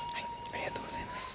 ありがとうございます。